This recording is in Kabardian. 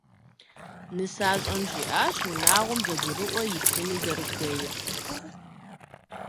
НысащӀэм жиӀащ унагъуэм зэгурыӀуэ илъыну зэрыхуейр.